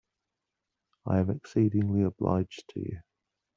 I am exceedingly obliged to you.